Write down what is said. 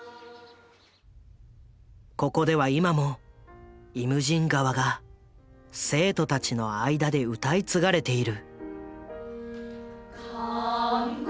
ここでは今も「イムジン河」が生徒たちの間で歌い継がれている。